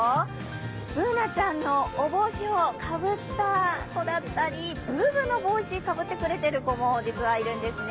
Ｂｏｏｎａちゃんのお帽子をかぶった子だったりＢｏｏＢｏの帽子かぶってくれてる子も実はいるんですね。